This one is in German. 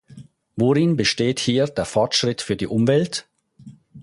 Worin besteht hier der Fortschritt für die Umwelt?